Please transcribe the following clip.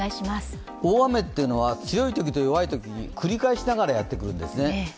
大雨というのは強いときと弱いとき、繰り返しながらやってくるんですね。